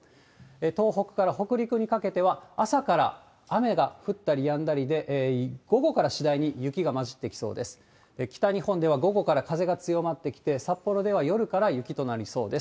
東北から北陸にかけては、朝から雨が降ったりやんだりで、午後から次第に雪が混じってきそうです。